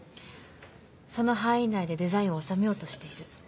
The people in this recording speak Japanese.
その範囲内でデザインを収めようとしている。